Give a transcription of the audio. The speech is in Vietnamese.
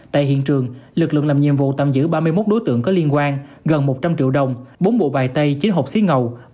tại hiện trường lực lượng làm nhiệm vụ tạm giữ ba mươi một đối tượng có liên quan gần một trăm linh triệu đồng bốn bộ bài tay chín hộp xí ngầu